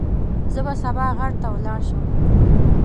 زه به سبا غر ته ولاړ شم.